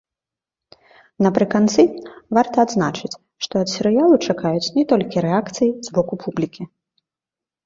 Напрыканцы варта адзначыць, што ад серыялу чакаюць не толькі рэакцыі з боку публікі.